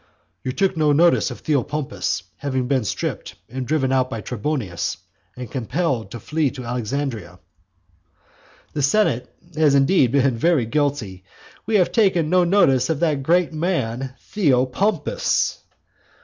"You took no notice of Theopompus having been stripped, and driven out by Trebonius, and compelled to flee to Alexandria." The senate has indeed been very guilty! We have taken no notice of that great man Theopompus!